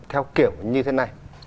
theo kiểu như thế này